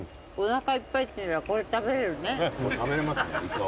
食べれますね